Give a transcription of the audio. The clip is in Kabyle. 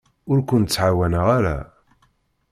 Ur kent-ttɛawaneɣ ara.